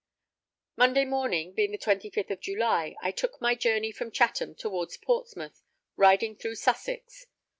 Monday morning, being the 25th of July, I took my journey from Chatham towards Portsmouth, riding through Sussex.